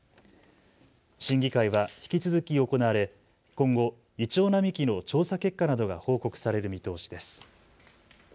審議会は引き続き行われ今後、イチョウ並木の調査結果などが報告される見通しです。